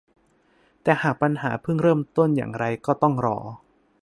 แต่หากปัญหาเพิ่งเริ่มต้นอย่างไรก็ต้องรอ